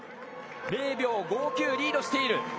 ０秒５９リードしている。